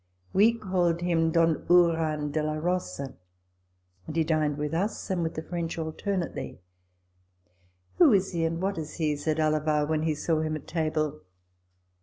We called him Don Uran de la Rosa ; and he dined with us and the French alternately. " Who is he and what is he ?" said Alava when he saw him at table.